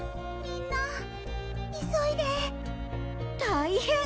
みんな急いで大変！